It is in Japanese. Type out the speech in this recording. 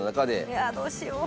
うわどうしよう。